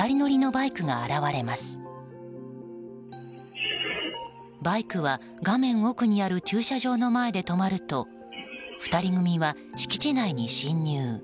バイクは、画面奥にある駐車場の前に止まると２人組は敷地内に侵入。